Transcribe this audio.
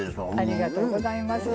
ありがとうございます。